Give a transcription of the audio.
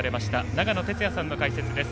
長野哲也さんの解説です。